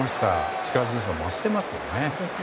力強さが増していますよね。